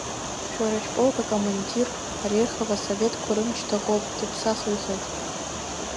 Шәара шәполк акомандир Орехов асоветқәа рымч даӷоуп, дыԥсахыҩхеит.